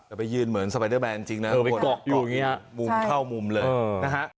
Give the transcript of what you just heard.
เดี๋ยวไปยืนเหมือนสไฟเดอร์แบรนด์จริงนะไปกรอกอยู่อยู่อยู่มุมเข้ามุมเลยนะฮะ